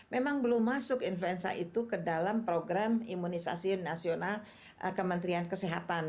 memang belum masuk influenza itu ke dalam program imunisasi nasional kementerian kesehatan